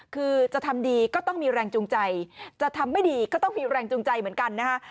คือจะทำดีก็ต้องมีแรงจูงใจจะทำไม่ดีก็ต้องมีแรงจูงใจเหมือนกันนะฮะ